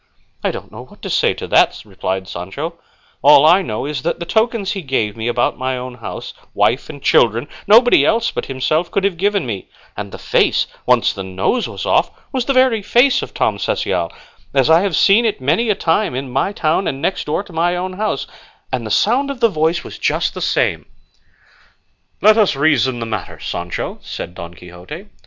"I don't know what to say to that," replied Sancho; "all I know is that the tokens he gave me about my own house, wife and children, nobody else but himself could have given me; and the face, once the nose was off, was the very face of Tom Cecial, as I have seen it many a time in my town and next door to my own house; and the sound of the voice was just the same." "Let us reason the matter, Sancho," said Don Quixote.